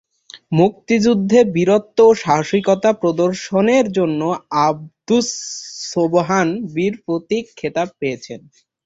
মুক্তিযুদ্ধে বীরত্ব ও সাহসিকতা প্রদর্শনের জন্য আবদুস সোবহান বীর প্রতীক খেতাব পেয়েছেন।